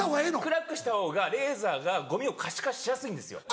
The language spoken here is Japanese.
暗くした方がレーザーがゴミを可視化しやすいんですよ。